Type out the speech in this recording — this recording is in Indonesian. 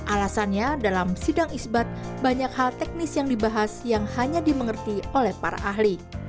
alasannya dalam sidang isbat banyak hal teknis yang dibahas yang hanya dimengerti oleh para ahli